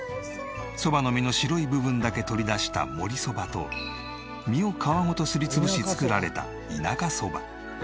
そばの実の白い部分だけ取り出したもりそばと実を皮ごとすり潰し作られた田舎そば。